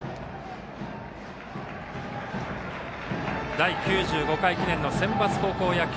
第９５回記念のセンバツ高校野球。